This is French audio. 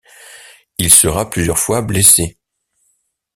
Il sera plusieurs fois blessé.